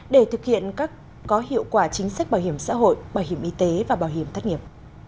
để thực hiện có hiệu quả chính sách bảo hiểm xã hội bảo hiểm y tế và bảo hiểm thất nghiệp